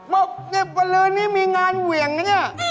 บอกในวันละรันนี้มีงานเวี่ยงนะเนี่ย